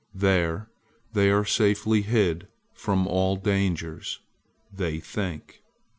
There they are safely hid from all dangers, they think.